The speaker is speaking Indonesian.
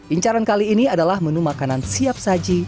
incaran kali ini adalah menu makanan siap saji